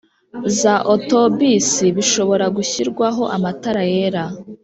za otobisi bishobora gushyirwaho amatara yera